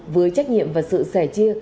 với trách nhiệm và sự sẻ chia